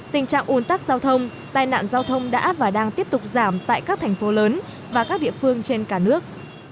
tình trạng ồn tắc giao thông tai nạn giao thông đã và đang tiếp tục giảm tại các thành phố lớn và các địa phương trên cả nước